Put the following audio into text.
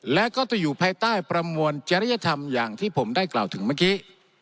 และก็จะอยู่ภายใต้ประมวลจริยธรรมอย่างที่ผมได้กล่าวถึงเมื่อกี้